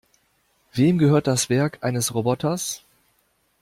Wem gehört das Werk eines Roboters?